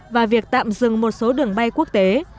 và việc tạm dừng một số đường bay quốc tế